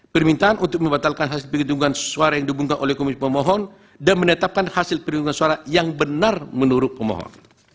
permintaan untuk membatalkan hasil penghitungan suara yang dihubungkan oleh komisi pemohon dan menetapkan hasil perhitungan suara yang benar menurut pemohon